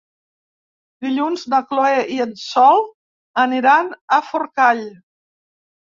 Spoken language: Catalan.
Dilluns na Chloé i en Sol aniran a Forcall.